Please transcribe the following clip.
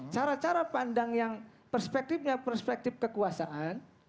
cara cara pandang yang perspektifnya perspektif kekuasaan